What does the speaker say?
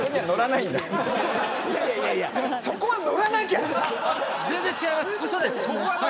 そこは乗らなきゃ。